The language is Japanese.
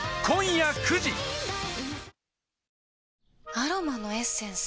アロマのエッセンス？